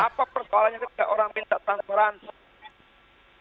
apa persoalannya ketika orang minta transparansi